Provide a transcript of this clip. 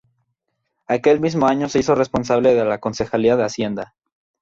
Aquel mismo año se hizo responsable de la concejalía de Hacienda.